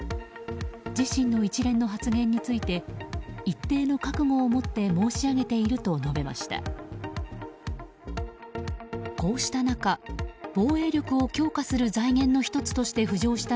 自身の一連の発言について一定の覚悟を持って申し上げていると述べました。